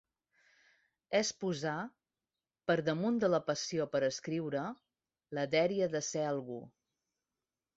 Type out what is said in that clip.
És posar, per damunt de la passió per escriure, la dèria de “ser algú”.